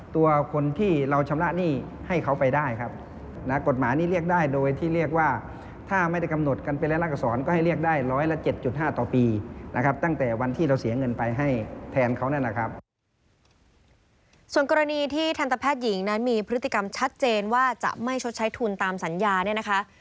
ส่วนกรณีที่ทันตแพทย์หญิงนั้นมีพฤติกรรมชัดเจนว่าจะไม่ชดใช้ทุนตามสัญญาเนี่ยนะคะ